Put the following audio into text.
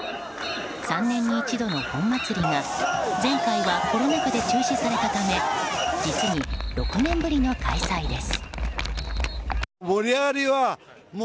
３年に１度の本祭りが前回はコロナ禍で中止されたため実に６年ぶりの開催です。